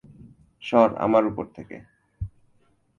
সর আমার উপর থেকে।